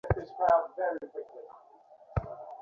উনি সেনাবাহিনীতে আছেন।